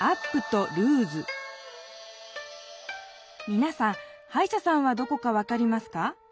みなさんはいしゃさんはどこか分かりますか？